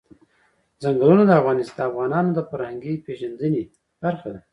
ځنګلونه د افغانانو د فرهنګي پیژندنې برخه ده.